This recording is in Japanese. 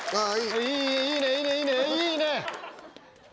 いいねいいねいいね！